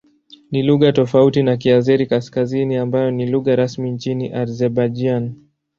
Ni lugha tofauti na Kiazeri-Kaskazini ambayo ni lugha rasmi nchini Azerbaijan.